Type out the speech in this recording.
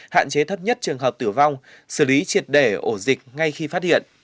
hạn chế thấp nhất trường hợp tử vong xử lý triệt để ổ dịch ngay khi phát hiện